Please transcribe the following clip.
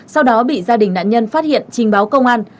sau đó bị gia đình nạn nhân phát hiện trình báo công an